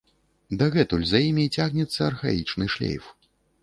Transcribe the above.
Дагэтуль за імі цягнецца архаічны шлейф.